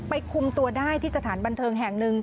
คุมตัวได้ที่สถานบันเทิงแห่งหนึ่ง